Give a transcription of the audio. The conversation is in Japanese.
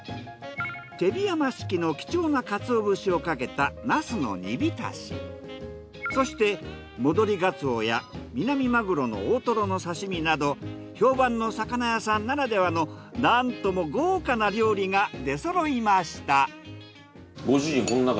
手火山式の貴重なカツオ節をかけたそして戻りガツオやミナミマグロの大トロの刺身など評判の魚屋さんならではのなんとも豪華な料理が出そろいました。